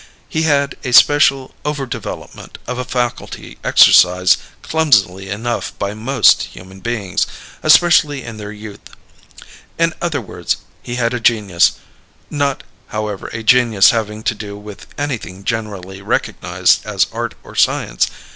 He had a special over development of a faculty exercised clumsily enough by most human beings, especially in their youth; in other words, he had a genius not, however, a genius having to do with anything generally recognized as art or science.